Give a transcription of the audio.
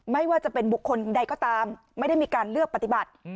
ไม่ว่าจะเป็นบุคคลใดก็ตามไม่ได้มีการเลือกปฏิบัติ